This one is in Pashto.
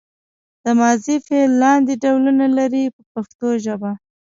دا ماضي فعل لاندې ډولونه لري په پښتو ژبه.